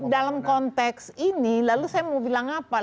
dalam konteks ini lalu saya mau bilang apa